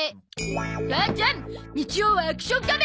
母ちゃん日曜は『アクション仮面』！